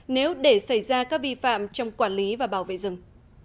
nếu để xảy ra các vi phạm trong quản lý và bảo vệ rừng